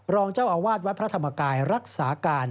รองเจ้าอาวาสวัดพระธรรมกายรักษาการ